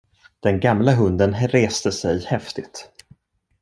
Den gamla hunden reste sig häftigt.